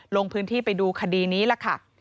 ลงพื้นที่ไปดูคดีนี้ล่ะค่ะ